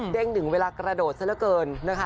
เด้งถึงเวลากระโดดซะแล้วเกินนะคะ